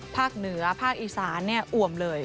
ภาคเหนือภาคอีสานอวมเลย